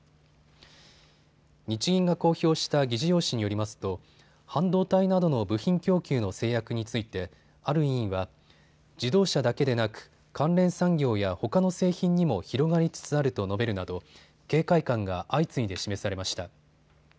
日銀が公表した議事要旨によりますと半導体などの部品供給の制約について、ある委員は自動車だけでなく関連産業やほかの製品にも広がりつつあると述べるなど警戒感が相次いで示されました。